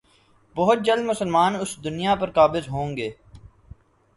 بہت جلد مسلمان اس دنیا پر قابض ہوں گے